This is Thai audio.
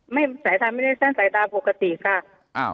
สายตาไม่ได้สั้นสายตาปกติค่ะ